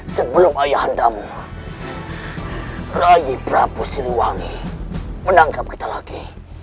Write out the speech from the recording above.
sebelum ayah hantarmu rayi prabu siliwangi menangkap kita lagi